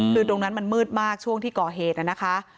คือตรงนั้นมันมืดมากช่วงที่ก่อเหตุนะคะ